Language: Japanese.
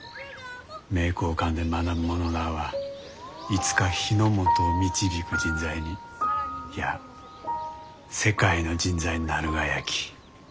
名教館で学ぶ者らあはいつか日の本を導く人材にいや世界の人材になるがやき。